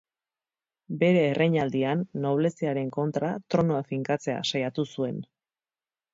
Bere erreinaldian nobleziaren kontra tronua finkatzea saiatu zuen.